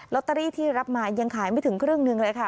ตเตอรี่ที่รับมายังขายไม่ถึงครึ่งหนึ่งเลยค่ะ